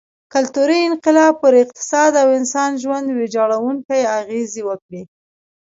کلتوري انقلاب پر اقتصاد او انسا ژوند ویجاړوونکې اغېزې وکړې.